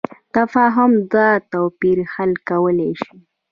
تفاهم دا توپیر حل کولی شي.